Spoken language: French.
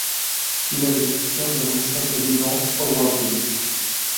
Il a le soutien d'un ancien président, Howard Dean.